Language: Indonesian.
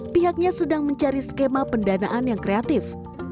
pihaknya sedang mencari skema pendanaan yang kreatif